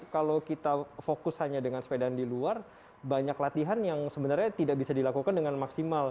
kalau kita fokus hanya dengan sepedaan di luar banyak latihan yang sebenarnya tidak bisa dilakukan dengan maksimal